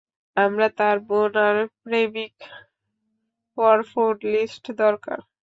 আমরা তার বোন আর প্রেমিকপর ফোন লিস্ট দরকার।